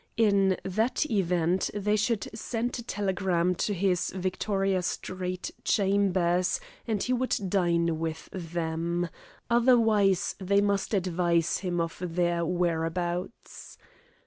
In that event they should send a telegram to his Victoria Street chambers, and he would dine with them. Otherwise they must advise him of their whereabouts.